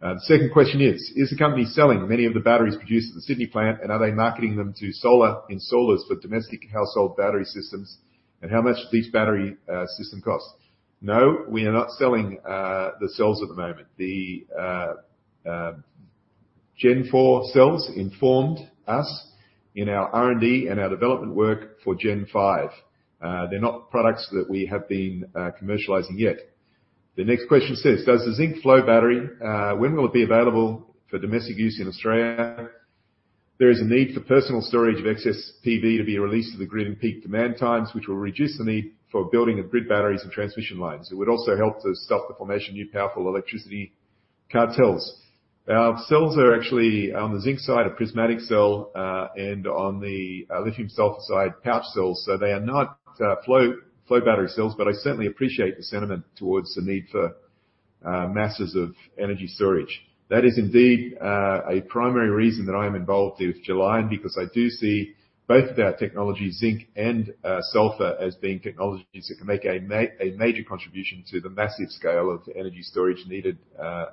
The second question is: Is the company selling many of the batteries produced at the Sydney plant, and are they marketing them to solar, installers for domestic household battery systems, and how much do these battery, system cost? No, we are not selling, the cells at the moment. The Gen 4 cells informed us in our R&D and our development work for Gen 5. They're not products that we have been, commercializing yet. The next question says: Does the zinc flow battery, when will it be available for domestic use in Australia? There is a need for personal storage of excess PV to be released to the grid in peak demand times, which will reduce the need for building of grid batteries and transmission lines. It would also help to stop the formation of new powerful electricity cartels. Our cells are actually on the zinc side, a prismatic cell, and on the lithium sulfur side, pouch cells, so they are not flow battery cells, but I certainly appreciate the sentiment towards the need for masses of energy storage. That is indeed a primary reason that I am involved with Gelion, because I do see both of our technologies, zinc and sulfur, as being technologies that can make a major contribution to the massive scale of energy storage needed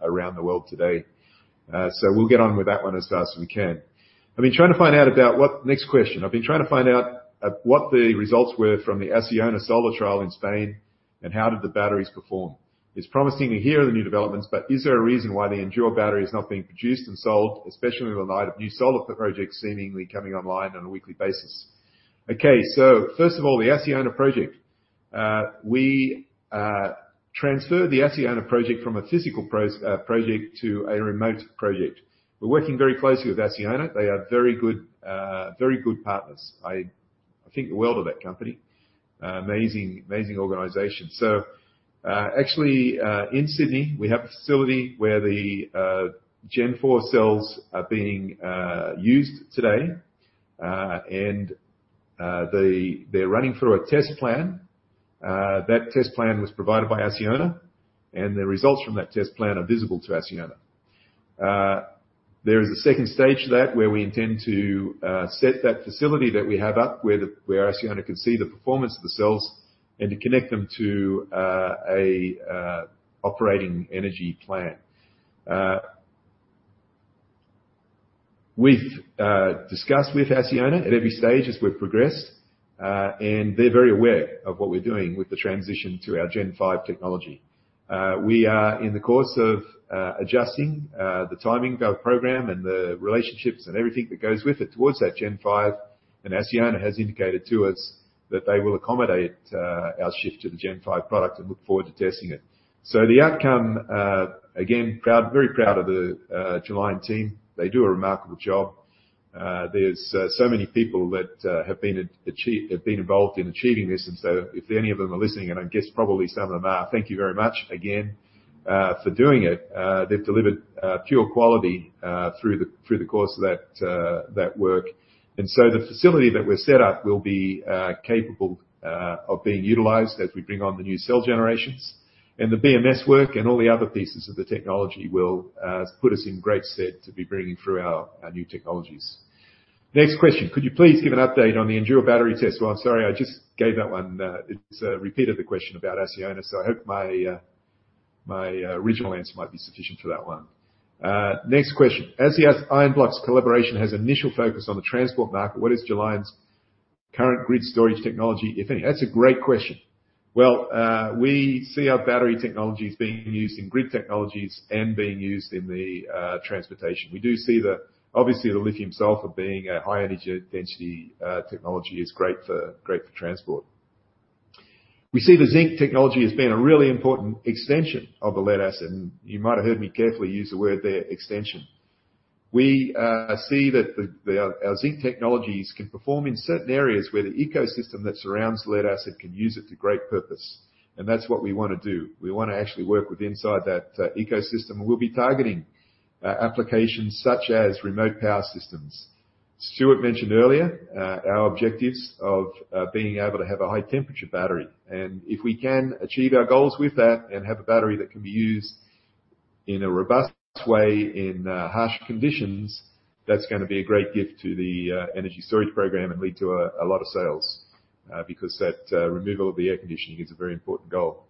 around the world today. So we'll get on with that one as fast as we can. I've been trying to find out about what. Next question: I've been trying to find out what the results were from the Acciona solar trial in Spain, and how did the batteries perform? It's promising to hear the new developments, but is there a reason why the Endure battery is not being produced and sold, especially in the light of new solar projects seemingly coming online on a weekly basis? Okay, so first of all, the Acciona project. We transferred the Acciona project from a physical prototype project to a remote project. We're working very closely with Acciona. They are very good, very good partners. I think the world of that company. Amazing, amazing organization. So, actually, in Sydney, we have a facility where the Gen 4 cells are being used today, and they're running through a test plan. That test plan was provided by Acciona, and the results from that test plan are visible to Acciona. There is a second stage to that, where we intend to set that facility that we have up, where Acciona can see the performance of the cells and to connect them to an operating energy plan. We've discussed with Acciona at every stage as we've progressed, and they're very aware of what we're doing with the transition to our Gen 5 technology. We are in the course of adjusting the timing of our program and the relationships and everything that goes with it towards that Gen 5, and Acciona has indicated to us that they will accommodate our shift to the Gen 5 product and look forward to testing it. So the outcome, again, proud, very proud of the Gelion team. They do a remarkable job. There's so many people that have been involved in achieving this, and so if any of them are listening, and I guess probably some of them are, thank you very much again for doing it. They've delivered pure quality through the course of that work. So the facility that we're set up will be capable of being utilized as we bring on the new cell generations. And the BMS work and all the other pieces of the technology will put us in great stead to be bringing through our new technologies. Next question: Could you please give an update on the Endure battery test? Well, I'm sorry, I just gave that one. It's repeated the question about Acciona, so I hope my original answer might be sufficient for that one. Next question: As the Ionblox collaboration has initial focus on the transport market, what is Gelion's current grid storage technology, if any? That's a great question. Well, we see our battery technologies being used in grid technologies and being used in the transportation. We do see, obviously, the lithium-sulfur being a high energy density technology is great for, great for transport. We see the zinc technology as being a really important extension of the lead-acid, and you might have heard me carefully use the word there, extension. We see that our zinc technologies can perform in certain areas where the ecosystem that surrounds lead-acid can use it to great purpose, and that's what we wanna do. We wanna actually work with inside that ecosystem, and we'll be targeting applications such as remote power systems. Stuart mentioned earlier, our objectives of, being able to have a high-temperature battery, and if we can achieve our goals with that and have a battery that can be used in a robust way, in, harsh conditions, that's gonna be a great gift to the, energy storage program and lead to a, a lot of sales, because that, removal of the air conditioning is a very important goal.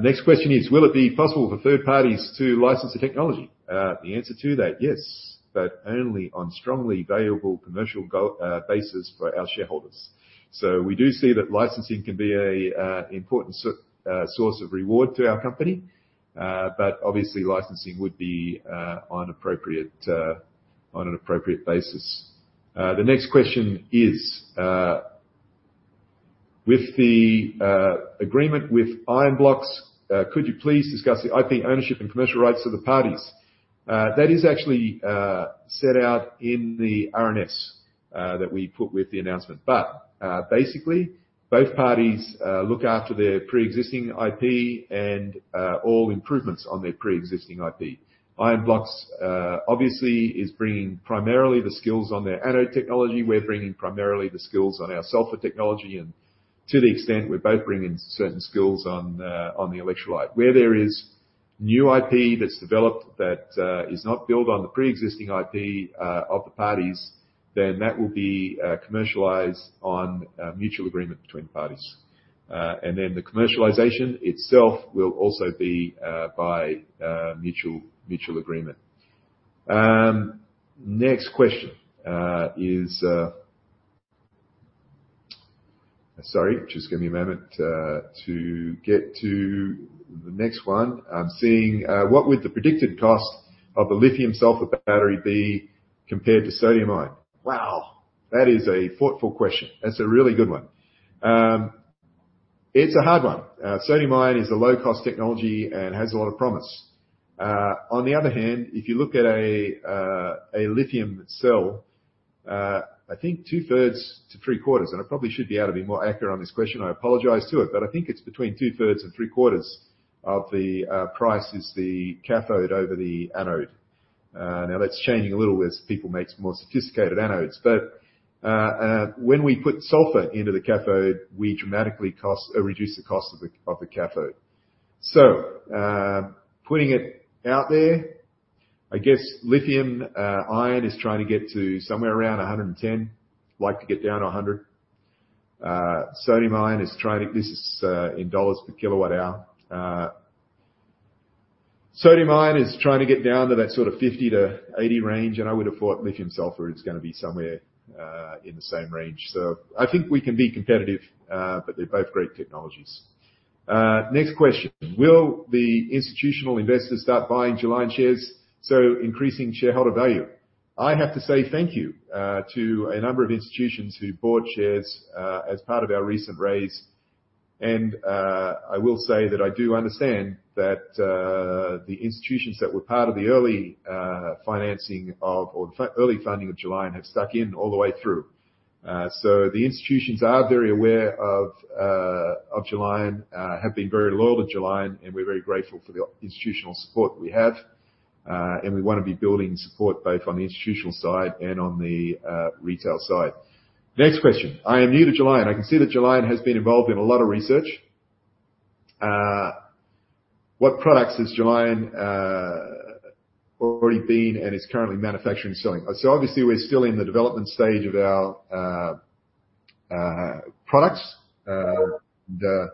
Next question is: Will it be possible for third parties to license the technology? The answer to that, yes, but only on strongly valuable commercial go, basis for our shareholders. So we do see that licensing can be a, important source of reward to our company. But obviously, licensing would be, on appropriate, on an appropriate basis. The next question is, with the agreement with Ionblox, could you please discuss the IP ownership and commercial rights of the parties? That is actually set out in the RNS that we put with the announcement. But basically, both parties look after their pre-existing IP and all improvements on their pre-existing IP. Ionblox obviously is bringing primarily the skills on their anode technology. We're bringing primarily the skills on our sulfur technology, and to the extent we're both bringing certain skills on the electrolyte. Where there is new IP that's developed that is not built on the pre-existing IP of the parties, then that will be commercialized on mutual agreement between parties. And then the commercialization itself will also be by mutual agreement. Next question is... Sorry, just give me a moment to get to the next one. I'm seeing what would the predicted cost of the lithium-sulfur battery be compared to sodium-ion? Wow! That is a thoughtful question. That's a really good one. It's a hard one. Sodium-ion is a low-cost technology and has a lot of promise. On the other hand, if you look at a lithium cell, I think two-thirds to three-quarters, and I probably should be able to be more accurate on this question, I apologize to it, but I think it's between two-thirds and three-quarters of the price is the cathode over the anode. Now, that's changing a little as people make more sophisticated anodes. But when we put sulfur into the cathode, we dramatically reduce the cost of the cathode. So, putting it out there, I guess lithium-ion is trying to get to somewhere around 110. Like to get down to 100. Sodium-ion is trying to, this is in $ per kWh. Sodium-ion is trying to get down to that sort of 50-80 range, and I would have thought lithium-sulfur is gonna be somewhere in the same range. So I think we can be competitive, but they're both great technologies. Next question: Will the institutional investors start buying Gelion shares, so increasing shareholder value? I have to say thank you to a number of institutions who bought shares as part of our recent raise. I will say that I do understand that the institutions that were part of the early funding of Gelion have stuck in all the way through. So the institutions are very aware of Gelion, have been very loyal to Gelion, and we're very grateful for the institutional support we have. And we wanna be building support both on the institutional side and on the retail side. Next question: I am new to Gelion. I can see that Gelion has been involved in a lot of research. What products has Gelion already been and is currently manufacturing and selling? So obviously, we're still in the development stage of our products. The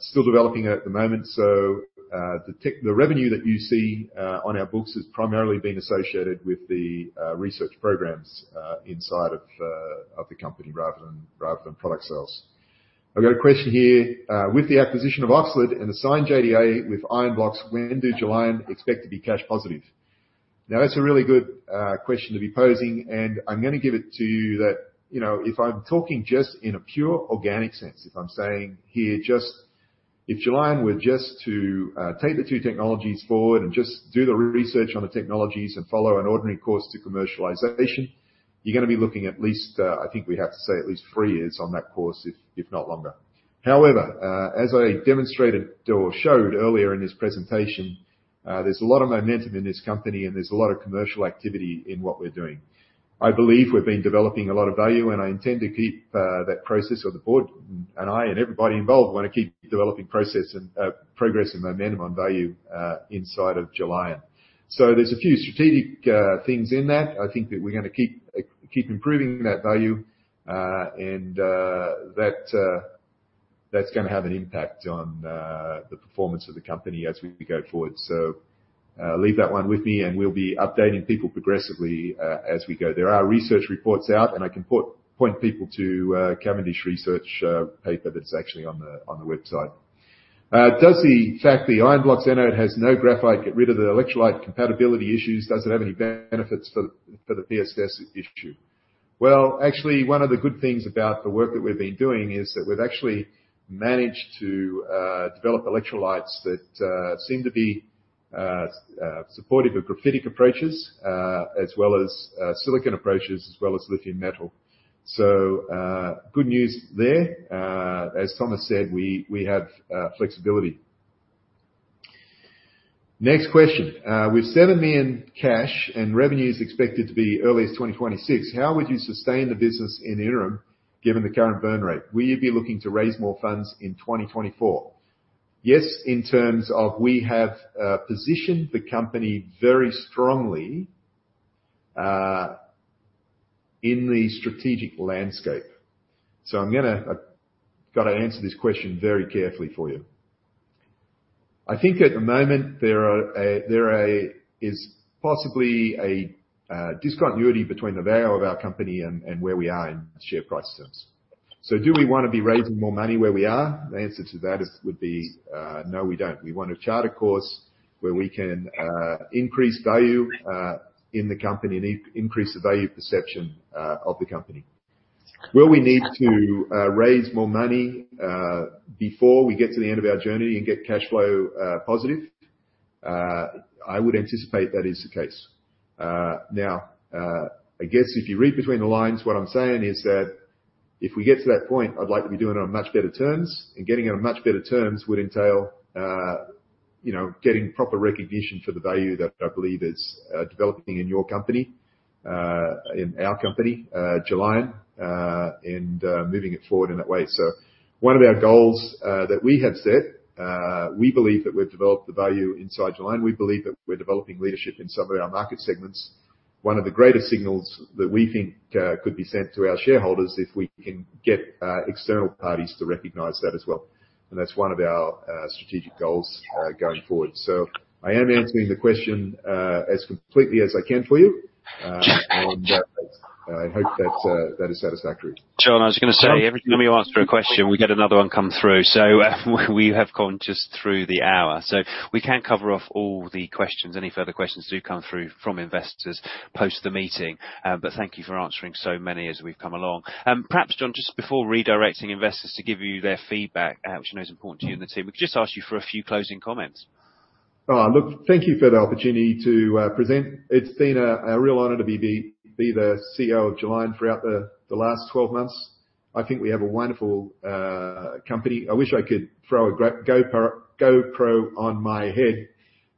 still developing at the moment, so, the revenue that you see on our books has primarily been associated with the research programs inside of the company rather than product sales. I've got a question here. With the acquisition of OXLiD and the signed JDA with Ionblox, when do Gelion expect to be cash positive? Now, that's a really good question to be posing, and I'm gonna give it to you that, you know, if I'm talking just in a pure organic sense, if I'm saying here just. If Gelion were just to take the two technologies forward and just do the research on the technologies and follow an ordinary course to commercialization, you're gonna be looking at least, I think we'd have to say at least three years on that course, if not longer. However, as I demonstrated or showed earlier in this presentation, there's a lot of momentum in this company, and there's a lot of commercial activity in what we're doing. I believe we've been developing a lot of value, and I intend to keep that process, or the board and I, and everybody involved, wanna keep developing process and progress and momentum on value inside of Gelion. So there's a few strategic things in that. I think that we're gonna keep keep improving that value, and that that's gonna have an impact on the performance of the company as we go forward. So leave that one with me, and we'll be updating people progressively as we go. There are research reports out, and I can point people to a Cavendish research paper that's actually on the website. Does the fact the Ionblox anode has no graphite get rid of the electrolyte compatibility issues? Does it have any benefits for the VSS issue? Well, actually, one of the good things about the work that we've been doing is that we've actually managed to develop electrolytes that seem to be supportive of graphitic approaches as well as silicon approaches, as well as lithium metal. Good news there. As Thomas said, we have flexibility. Next question. With 7 million cash and revenues expected to be early as 2026, how would you sustain the business in the interim given the current burn rate? Will you be looking to raise more funds in 2024? Yes, in terms of we have positioned the company very strongly in the strategic landscape. I've got to answer this question very carefully for you. I think at the moment there is possibly a discontinuity between the value of our company and where we are in share price terms. So do we wanna be raising more money where we are? The answer to that would be no, we don't. We want to chart a course where we can increase value in the company and increase the value perception of the company. Will we need to raise more money before we get to the end of our journey and get cashflow positive? I would anticipate that is the case. Now, I guess if you read between the lines, what I'm saying is that if we get to that point, I'd like to be doing it on much better terms, and getting it on much better terms would entail you know getting proper recognition for the value that I believe is developing in your company in our company Gelion and moving it forward in that way. So one of our goals, that we have set, we believe that we've developed the value inside Gelion. We believe that we're developing leadership in some of our market segments. One of the greatest signals that we think, could be sent to our shareholders, if we can get, external parties to recognize that as well, and that's one of our, strategic goals, going forward. So I am answering the question, as completely as I can for you, and, I hope that, that is satisfactory.
John, I was gonna say, every time you answer a question, we get another one come through. So we have gone just through the hour, so we can't cover off all the questions. Any further questions do come through from investors post the meeting, but thank you for answering so many as we've come along. Perhaps, John, just before redirecting investors to give you their feedback, which I know is important to you and the team, can I just ask you for a few closing comments?
Oh, look, thank you for the opportunity to present. It's been a real honor to be the CEO of Gelion throughout the last 12 months. I think we have a wonderful company. I wish I could throw a GoPro on my head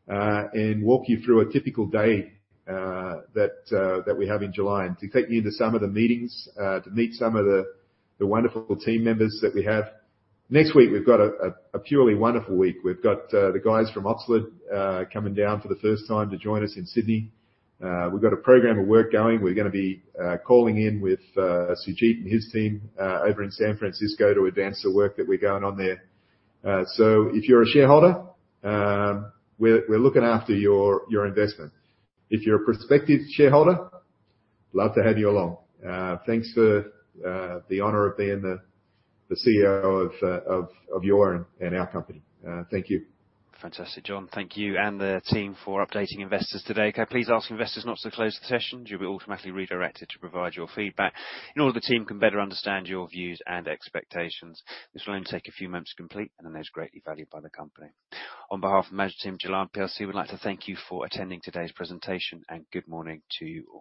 and walk you through a typical day that we have in Gelion, to take you into some of the meetings to meet some of the wonderful team members that we have. Next week, we've got a purely wonderful week. We've got the guys from OXLiD coming down for the first time to join us in Sydney. We've got a program of work going. We're gonna be calling in with Sujit and his team over in San Francisco to advance the work that we're going on there. So if you're a shareholder, we're looking after your investment. If you're a prospective shareholder, love to have you along. Thanks for the honor of being the CEO of your and our company. Thank you.
Fantastic, John. Thank you and the team for updating investors today. Can I please ask investors not to close the session? You'll be automatically redirected to provide your feedback in order the team can better understand your views and expectations. This will only take a few moments to complete and is greatly valued by the company. On behalf of the management team, Gelion PLC would like to thank you for attending today's presentation, and good morning to you all.